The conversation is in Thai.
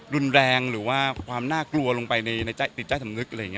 รุนแรงหรือว่าความน่ากลัวลงไปในจิตใต้สำนึกอะไรอย่างนี้